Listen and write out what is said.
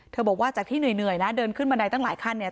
บอกว่าจากที่เหนื่อยนะเดินขึ้นบันไดตั้งหลายขั้นเนี่ย